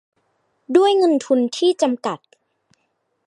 ด้วยเงินทุนที่จำกัด